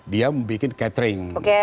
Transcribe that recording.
dia bikin catering